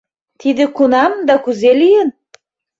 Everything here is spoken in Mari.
Тиде кунам да кузе лийын?